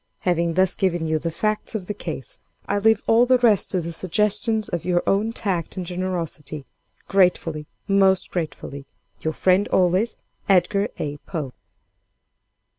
"Having thus given you the facts of the case, I leave all the rest to the suggestions of your own tact and generosity. Gratefully, most gratefully, "Your friend always, "EDGAR A. POE."